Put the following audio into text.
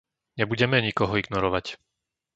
Nebudeme nikoho ignorovať.